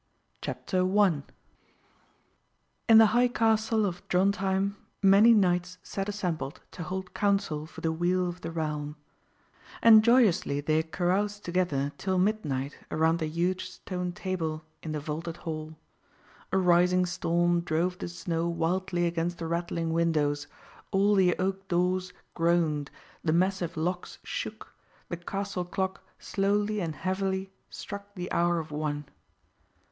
CHAPTER 1 In the high castle of Drontheim many knights sat assembled to hold council for the weal of the realm; and joyously they caroused together till midnight around the huge stone table in the vaulted hall. A rising storm drove the snow wildly against the rattling windows; all the oak doors groaned, the massive locks shook, the castle clock slowly and heavily struck the hour of one.